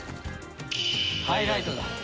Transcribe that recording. ハイライトだ！